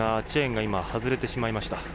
チェーンが外れてしまいました。